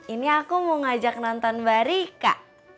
ini aku mau ngajak nonton mbak rika